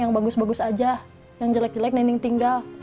yang bagus bagus aja yang jelek jelek nending tinggal